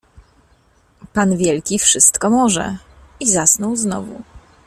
Pan wielki wszystko może — i zasnął znowu.